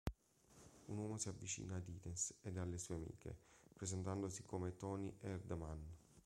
Un uomo si avvicina ad Ines ed alle sue amiche, presentandosi come 'Toni Erdmann'.